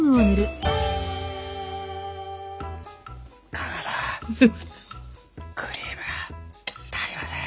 かまどクリームが足りません！